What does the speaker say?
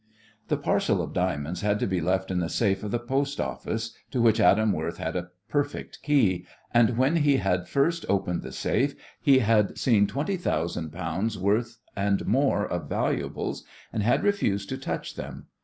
The parcel of diamonds had to be left in the safe at the post office, to which Adam Worth had a perfect key, and when he had first opened the safe he had seen twenty thousands pounds' worth and more of valuables, and had refused to touch them.